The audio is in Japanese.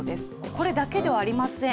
これだけではありません。